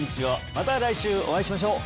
また来週お会いしましょう